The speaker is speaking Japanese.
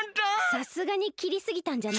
さすがにきりすぎたんじゃない？